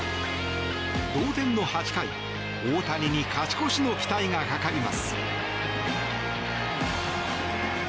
同点の８回、大谷に勝ち越しの期待がかかります。